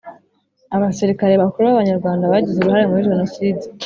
Abasirikare bakuru b’Abanyarwanda bagize uruhare muri jenoside